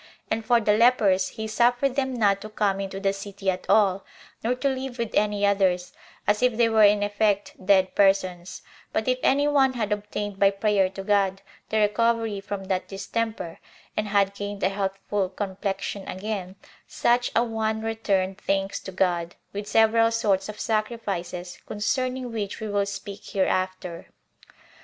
And for the lepers, he suffered them not to come into the city at all, nor to live with any others, as if they were in effect dead persons; but if any one had obtained by prayer to God, the recovery from that distemper, and had gained a healthful complexion again, such a one returned thanks to God, with several sorts of sacrifices; concerning which we will speak hereafter.